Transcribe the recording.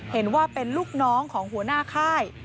เห็นว่าเป็นลูกน้องของหัวหน้าค่าย